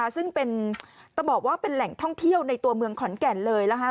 ซึ่งต้องบอกว่าเป็นแหล่งท่องเที่ยวในตัวเมืองขอนแก่นเลย